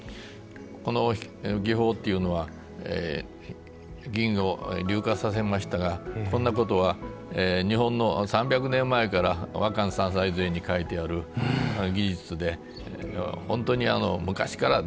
この技法っていうのは銀を硫化させましたがこんなことは日本の３００年前から「和漢三才図会」に書いてある技術で本当に昔から職人は知っていました。